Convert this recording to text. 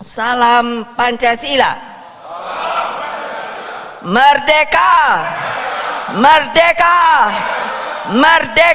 salam pancasila merdeka merdeka merdeka